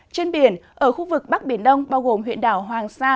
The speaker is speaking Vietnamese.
trên biển ở khu vực bắc biển đông bao gồm huyện đảo hoàng sa